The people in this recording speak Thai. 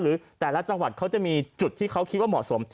หรือแต่ละจังหวัดเขาจะมีจุดที่เขาคิดว่าเหมาะสม